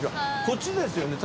こっちですよね？